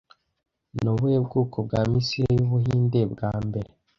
Ni ubuhe bwoko bwa misile y’ubuhinde bwa mbere